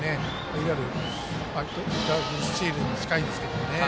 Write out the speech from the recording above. いわゆるダブルスチールに近いんですけどね。